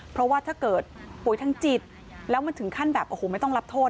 เพราะว่าถ้าเกิดป่วยทางจิตแล้วมันถึงขั้นแบบโอ้โหไม่ต้องรับโทษ